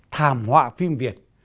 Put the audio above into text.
thàm họa phim việt